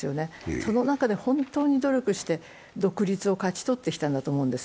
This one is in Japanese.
その中で本当に努力して独立を勝ち取ってきたんだと思うんです。